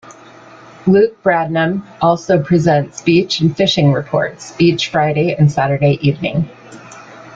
Luke Bradnam also presents Beach and Fishing reports each Friday and Saturday evening.